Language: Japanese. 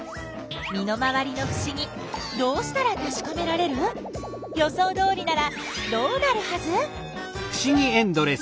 身の回りのふしぎどうしたらたしかめられる？予想どおりならどうなるはず？